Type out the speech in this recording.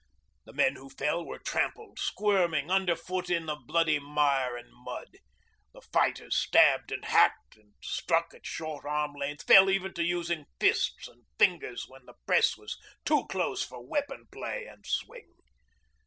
The men who fell were trampled, squirming, underfoot in the bloody mire and mud; the fighters stabbed and hacked and struck at short arm length, fell even to using fists and fingers when the press was too close for weapon play and swing.